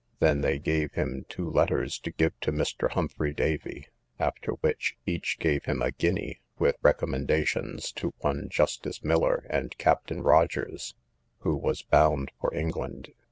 Then they gave him two letters to give to Mr. Humphrey Davy; after which, each gave him a guinea, with recommendations to one Justice Miller and Captain Rogers, who was bound for England.